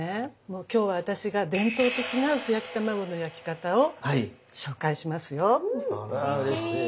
もう今日は私が伝統的な薄焼き卵の焼き方を紹介しますよ。わうれしい！